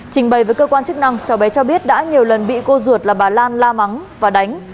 trình bày với cơ quan chức năng cháu bé cho biết đã nhiều lần bị cô ruột là bà lan la mắng và đánh